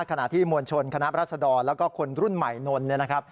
ขณะที่มวลชนคณะรัศดรแล้วก็คนรุ่นใหม่นนต์